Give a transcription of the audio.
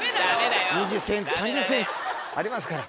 「２０ｃｍ３０ｃｍ」ありますから。